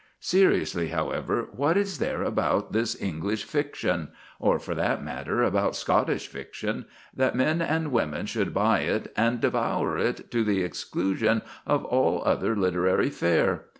Seriously, however, what is there about this English fiction or, for that matter, about Scottish fiction that men and women should buy it and devour it to the exclusion of all other literary fare?